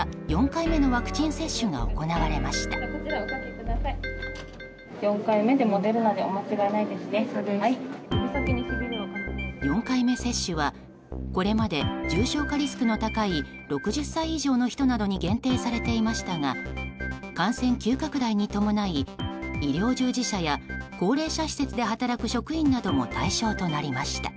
４回目接種はこれまで重症化リスクの高い６０歳以上の人などに限定されていましたが感染急拡大に伴い、医療従事者や高齢者施設で働く職員なども対象となりました。